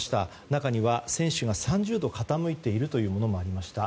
中には、船首が３０度傾いているというものもありました。